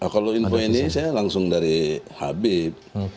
kalau info ini saya langsung dari habib